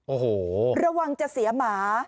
โอ้โหระวังจะเสียหมา